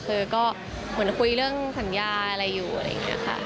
คือก็เหมือนคุยเรื่องสัญญาอะไรอยู่อะไรอย่างนี้ค่ะ